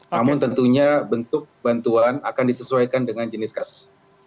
namun tentunya bentuk bantuan akan disesuaikan dengan jenis kasus